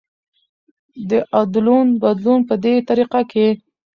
د ادلون بدلون په دې طريقه کې